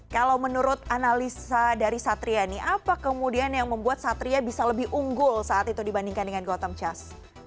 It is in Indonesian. kalau menurut analisa dari satria nih apa kemudian yang membuat satria bisa lebih unggul saat itu dibandingkan dengan gotham chess